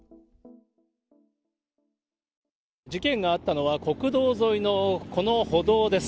事件があったのは国道沿いのこの歩道です。